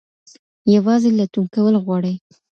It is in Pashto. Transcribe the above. یوازې لټون کول غواړي.